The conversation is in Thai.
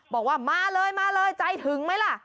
บอกว่ามาเลยมาเลยใจถึงไหมล่ะ